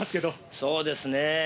そうですね。